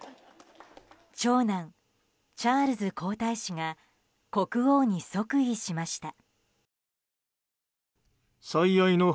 長男チャールズ皇太子が国王に即位しました。